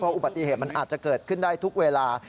อุบัติเหตุมันอาจจะเกิดขึ้นได้ทุกเวลา